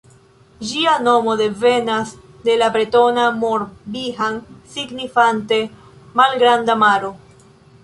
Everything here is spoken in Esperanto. Ĝia nomo devenas de la bretona Mor-Bihan signifante Malgranda Maro.